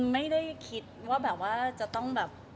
ไม่ได้คิดว่าจะต้อง